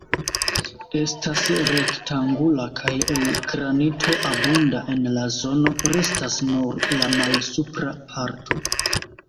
Estas rektangula kaj el granito abunda en la zono: restas nur la malsupra parto.